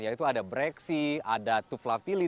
yaitu ada breksi ada tufla pilih